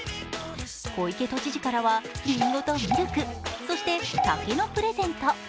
小池都知事からはりんごとミルクそして竹のプレゼント。